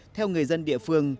theo người dân địa phương